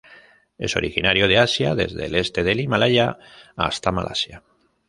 Es originario de Asia desde el este del Himalaya hasta Malasia.